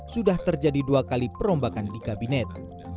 sudah terjadi dua kali perombakan di kabinet